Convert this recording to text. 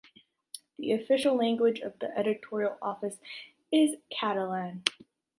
The official language of the Editorial Office is Catalan.